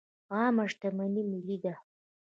عامه شتمني ملي ده